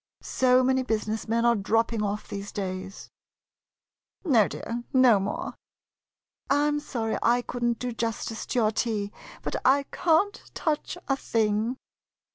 So many business men are dropping off these days. No, dear ; no more. I 'm sorry I could n't do justice to your tea, but I can't touch a thing.